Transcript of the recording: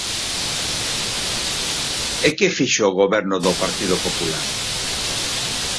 E ¿que fixo o goberno do Partido Popular?